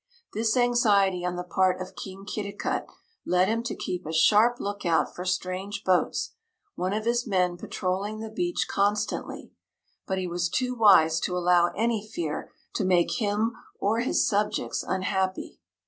This anxiety on the part of King Kitticut led him to keep a sharp lookout for strange boats, one of his men patrolling the beach constantly, but he was too wise to allow any fear to make him or his subjects unhappy.